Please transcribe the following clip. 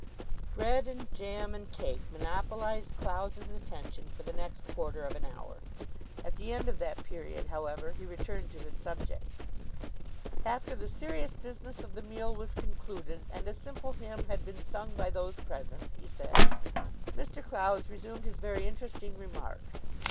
Bread and jam and cake monopolised Clowes's attention for the next quarter of an hour. At the end of that period, however, he returned to his subject. "After the serious business of the meal was concluded, and a simple hymn had been sung by those present," he said, "Mr. Clowes resumed his very interesting remarks.